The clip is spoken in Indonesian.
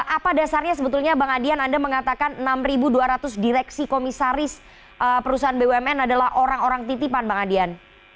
apa dasarnya sebetulnya bang adian anda mengatakan enam dua ratus direksi komisaris perusahaan bumn adalah orang orang titipan bang adian